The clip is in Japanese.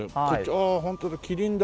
ああホントだキリンだ。